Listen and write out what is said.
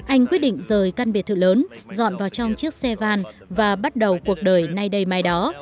anh quyết định rời căn biệt thự lớn dọn vào trong chiếc xe van và bắt đầu cuộc đời nay đây mai đó